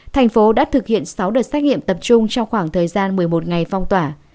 thành phố đã thực hiện sáu đợt xét nghiệm tập trung trong khoảng thời gian một mươi một ngày phong tỏa